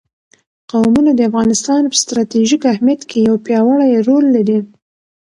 قومونه د افغانستان په ستراتیژیک اهمیت کې یو پیاوړی رول لري.